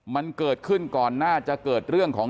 มันเกิดขึ้นก่อนหน้าจะเกิดเรื่องของ